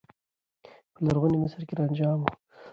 په لرغوني مصر کې رانجه عام و.